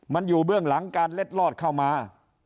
มันอยู่เบื้องหลังการเล็ดลอดเข้ามา